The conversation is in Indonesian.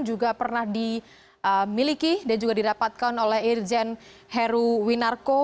juga pernah dimiliki dan juga didapatkan oleh irjen heruwinarko